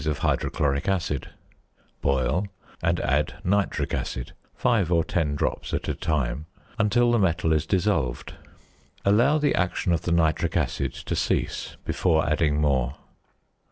of hydrochloric acid; boil, and add nitric acid (5 or 10 drops at a time) until the metal is dissolved. Allow the action of the nitric acid to cease before adding more.